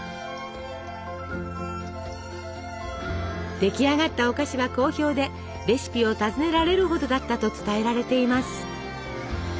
出来上がったお菓子は好評でレシピを尋ねられるほどだったと伝えられています。